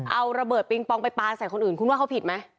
เอาระเบิดปิงปองไปปลาใส่คนอื่นคุณว่าเขาผิดไหม